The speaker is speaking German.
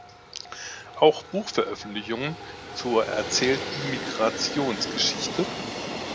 Auch Buchveröffentlichungen zur erzählten Migrationsgeschichte.